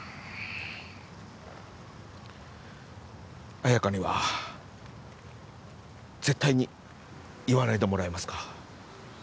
綾華には絶対に言わないでもらえますか？